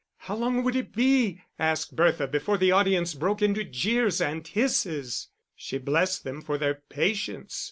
How long would it be, asked Bertha, before the audience broke into jeers and hisses? She blessed them for their patience.